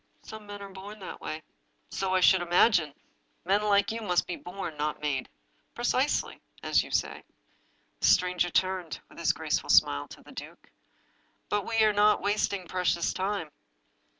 " Some men are born that way." " So I should imagine. Men like you must be bom, not made." " Precisely — as you say !" The stranger turned, with his graceful smile, to the duke :" But are we not wasting precious time?